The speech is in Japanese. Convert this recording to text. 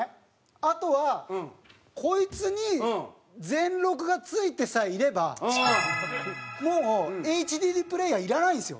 あとは、こいつに全録がついてさえいればもう、ＨＤＤプレーヤーいらないんですよ。